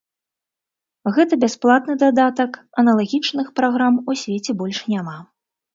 Гэта бясплатны дадатак, аналагічных праграм у свеце больш няма.